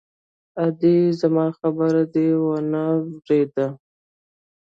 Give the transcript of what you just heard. _ادې! زما خبره دې وانه ورېده!